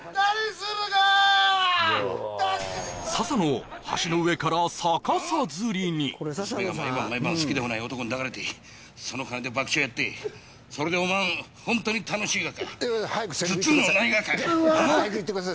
助けて笹野を橋の上から逆さ吊りに娘が毎晩毎晩好きでもない男に抱かれてその金で博打をやってそれでおまん本当に楽しいがか？ずつのないがかあっ？